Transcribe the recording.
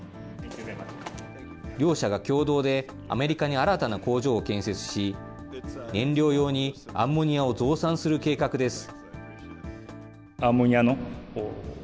両社が共同でアメリカに新たな工場を建設し、燃料用にアンモニアを増産する計画です。